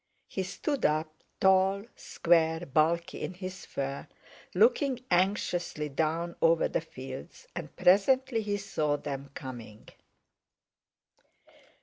He stood up, tall, square, bulky in his fur, looking anxiously down over the fields, and presently he saw them coming.